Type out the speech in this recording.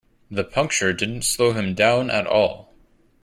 The puncture didn't slow him down at all.